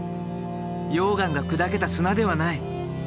溶岩が砕けた砂ではない。